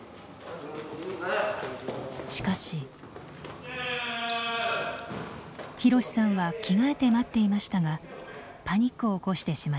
ひろしさんは着替えて待っていましたがパニックを起こしてしまいました。